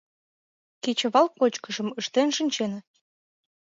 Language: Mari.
Кечывал кочкышым ыштен шинченыт.